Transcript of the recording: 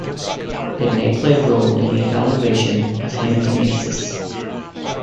It may play a role in the evaluation of hematemesis.